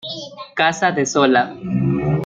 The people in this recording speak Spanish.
Casa de Sola.